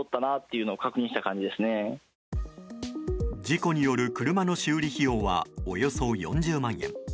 事故による車の修理費用はおよそ４０万円。